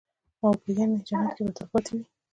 او په هغه يعني جنت كي به تل تلپاتي وي